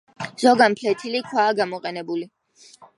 ზოგან ფლეთილი ქვაა გამოყენებული.